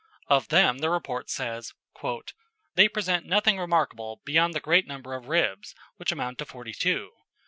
Of them the report says, "They present nothing remarkable beyond the great number of ribs, which amount to forty two.